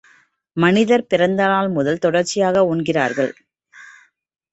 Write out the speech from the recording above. மனிதர் பிறந்த நாள் முதல் தொடர்ச்சியாக உண்கின்றனர்.